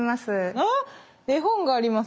あっ絵本があります。